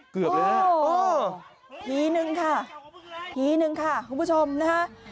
เกือบเลยน่ะโอ้โฮมีหนึ่งค่ะคุณผู้ชมนะคะ